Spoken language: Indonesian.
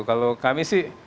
kalau kami sih